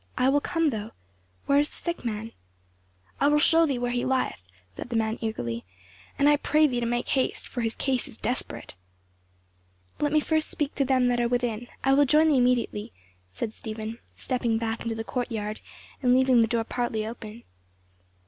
"I will come though. Where is the sick man?" "I will show thee where he lieth," said the man eagerly; "and I pray thee to make haste, for his case is desperate." "Let me first speak to them that are within, I will join thee immediately," said Stephen, stepping back into the courtyard and leaving the door partly open.